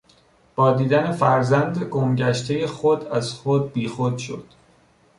با دیدن فرزند گم گشتهی خود از خود بیخود شد.